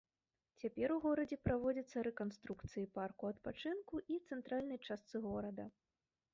Цяпер у горадзе праводзіцца рэканструкцыі парку адпачынку і цэнтральнай частцы горада.